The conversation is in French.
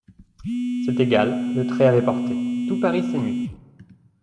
C'est égal, le trait avait porté, tout Paris s'émut.